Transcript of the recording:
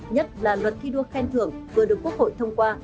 nhất là luật thi đua khen thưởng vừa được quốc hội thông qua